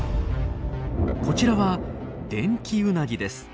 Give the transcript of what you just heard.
こちらはデンキウナギです。